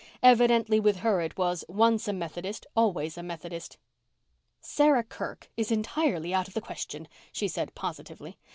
Evidently with her it was, once a Methodist, always a Methodist. "Sarah Kirk is entirely out of the question," she said positively.